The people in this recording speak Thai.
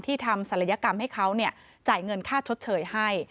ทำศัลยกรรมให้เขาจ่ายเงินค่าชดเชยให้